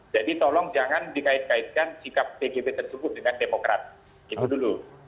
jadi tolong jangan dikait kaitkan sikap tgb tersebut dengan demokrat itu dulu